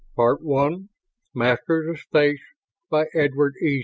net PART ONE MASTERS OF SPACE By EDWARD E.